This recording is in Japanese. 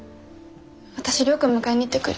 私亮君迎えに行ってくる。